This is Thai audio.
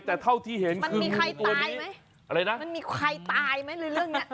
แต่เท่าที่เห็นคือมันมีตัวนี้มันมีใครตายไหมอะไรนะมันมีใครตายไหมเรื่องเนี้ย